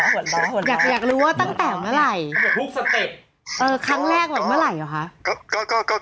คั้นแรกกับเมื่อไหร่หรอฮะ